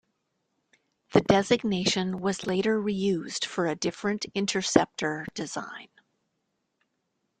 The designation was later reused for a different interceptor design.